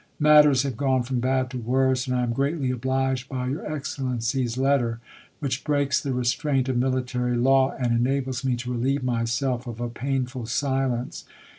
.. Matters have gone from bad to worse, and I am greatly obliged by your Excellency's letter, which breaks the restraint of military law, and en ables me to relieve myself of a painful silence.